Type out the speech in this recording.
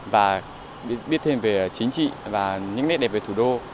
và biết thêm về chính trị và những nét đẹp về thủ đô